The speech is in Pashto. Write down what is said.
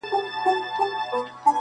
د سیالانو په ټولۍ کي یې تول سپک سي!.